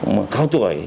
mà cao tuổi